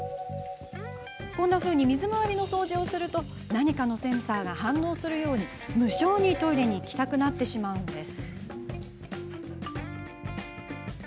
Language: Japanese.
こんなふうに水回りの掃除をすると何かのセンサーが反応するように無性にトイレに行きたくなってしまうんです。